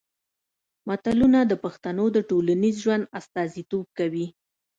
متلونه د پښتنو د ټولنیز ژوند استازیتوب کوي